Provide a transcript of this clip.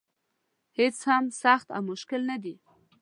هېڅ څه هم سخت او مشکل نه دي.